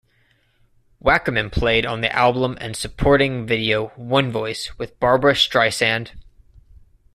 Wackerman played on the album and supporting video "One Voice" with Barbra Streisand.